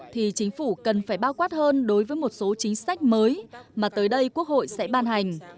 thì chính phủ cần phải bao quát hơn đối với một số chính sách mới mà tới đây quốc hội sẽ ban hành